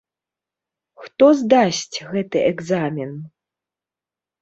Хто здасць гэты экзамен?